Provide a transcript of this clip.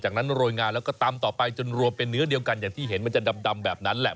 จากนั้นโรยงานแล้วก็ตำต่อไปจนรวมเป็นเนื้อเดียวกันอย่างที่เห็นมันจะดำแบบนั้นแหละ